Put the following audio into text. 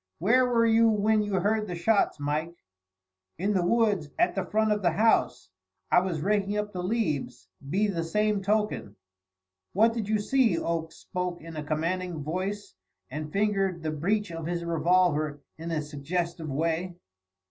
"Where were you when you heard the shots, Mike?" "In the woods at the front of the house. I was raking up the leaves, be the same token." "What did you see?" Oakes spoke in a commanding voice and fingered the breech of his revolver in a suggestive way.